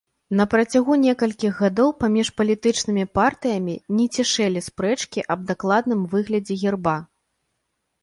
На працягу некалькіх гадоў паміж палітычнымі партыямі не цішэлі спрэчкі аб дакладным выглядзе герба.